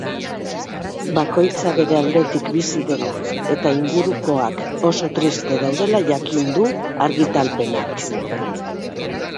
Bakoitza bere aldetik bizi dela eta ingurukoak oso triste daudela jakin du argitalpenak.